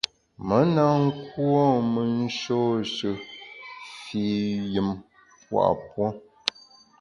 Me na nkuôme nshôshe fii yùm pua’ puo.